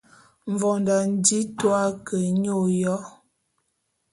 Mvondô a nji tu’a ke nya oyô.